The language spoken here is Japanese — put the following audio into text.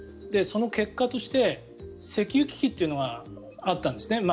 その結果として石油危機というのがあったんですね。